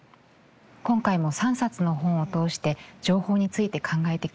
今回も３冊の本を通して情報について考えてきましたがいかがでしたか？